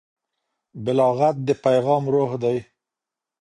بلاغت د پیغام روح دی.